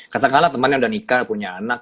kata kalah temen yang udah nikah punya anak